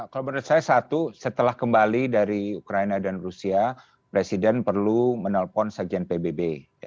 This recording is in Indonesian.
kalau menurut saya satu setelah kembali dari ukraina dan rusia presiden perlu menelpon sekjen pbb